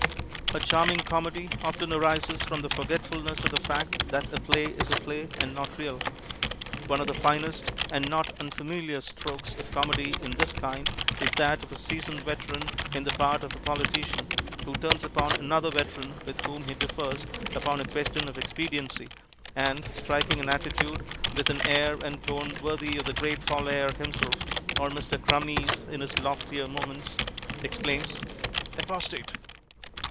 A charming comedy often arises from forgetfulness of the fact that a play is a play, and not real. One of the finest and not unfamiliar strokes of comedy in this kind is that of a seasoned veteran in the part of a politician who turns upon another veteran with whom he differs upon a question of expediency, and striking an attitude, with an air and tone worthy of the great Folair himself, or Mr. Crummies in his loftier moments, exclaims, "Apostate!"